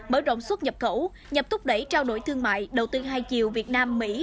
mở rộng suất nhập khẩu nhập thúc đẩy trao đổi thương mại đầu tư hai chiều việt nam mỹ